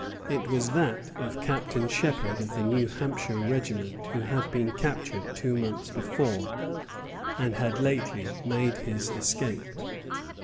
It was that of Captain Shepherd, of the New Hampshire regiment, who had been captured two months before, and had lately made his escape.